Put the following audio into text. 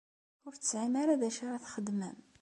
Ur tesɛim ara d acu ara txedmem?